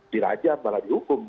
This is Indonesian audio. dirajam malah dihukum